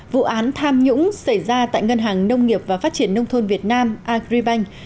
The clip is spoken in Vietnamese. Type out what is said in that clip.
vụ án tham nhũng xảy ra tại ngân hàng nông nghiệp và phát triển nông thôn việt nam agribank